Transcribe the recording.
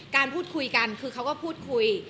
การพูดคุยกันคือเขาก็พูดคุย